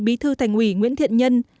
bí thư thành ủy nguyễn thiện nhân